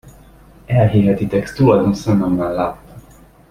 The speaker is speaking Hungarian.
Elhihetitek, tulajdon szememmel láttam!